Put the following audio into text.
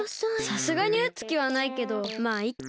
さすがにうつきはないけどまあいっか！